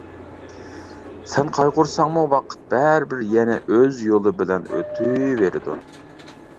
سەن قايغۇرساڭمۇ ۋاقىت بەرىبىر يەنە ئۆز يولى بىلەن ئۆتۈۋېرىدۇ.